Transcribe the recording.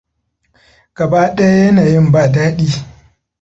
Gaba ɗaya yanayin ba daɗi.